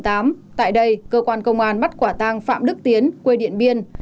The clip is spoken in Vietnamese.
tại đây cơ quan công an bắt quả tang phạm đức tiến quê điện biên